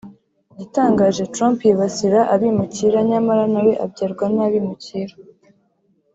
Igitangaje Trump yibasira abimukira nyamara nawe abyarwa n’abimukira